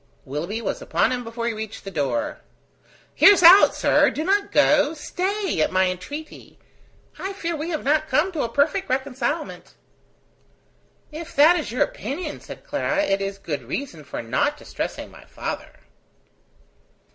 Willoughby was upon him before he reached the door. "Hear us out, sir. Do not go. Stay, at my entreaty. I fear we have not come to a perfect reconcilement." "If that is your opinion," said Clara, "it is good reason for not distressing my father."